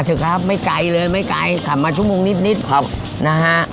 เถอะครับไม่ไกลเลยไม่ไกลขับมาชั่วโมงนิดนิดครับนะฮะ